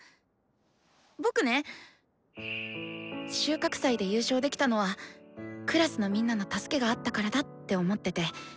僕ね収穫祭で優勝できたのはクラスのみんなの助けがあったからだって思ってて。